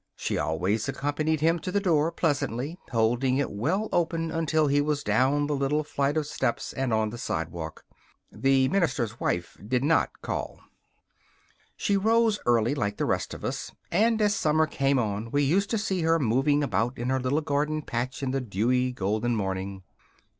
She always accompanied him to the door pleasantly, holding it well open until he was down the little flight of steps and on the sidewalk. The minister's wife did not call. She rose early, like the rest of us; and as summer came on we used to see her moving about in her little garden patch in the dewy, golden morning.